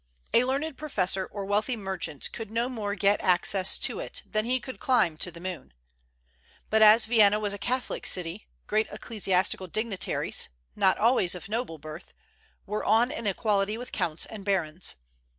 A learned professor or wealthy merchant could no more get access to it than he could climb to the moon. But as Vienna was a Catholic city, great ecclesiastical dignitaries, not always of noble birth, were on an equality with counts and barons.